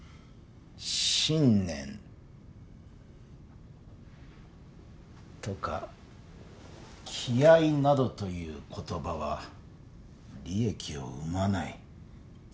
「信念」とか「気合」などという言葉は利益を生まない。